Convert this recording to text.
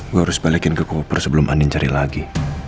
gue harus balikin ke koper sebelum andin cari lagi